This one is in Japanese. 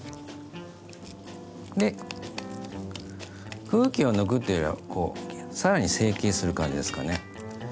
で空気を抜くというよりは更に成形する感じですかね。